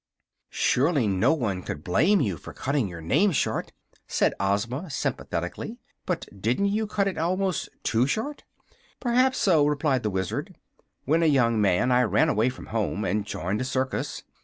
"Surely no one could blame you for cutting your name short," said Ozma, sympathetically. "But didn't you cut it almost too short?" "Perhaps so," replied the Wizard. "When a young man I ran away from home and joined a circus.